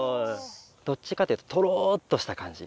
どっちかというととろっとしたかんじ。